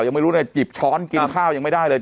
ยังไม่รู้เนี่ยจิบช้อนกินข้าวยังไม่ได้เลย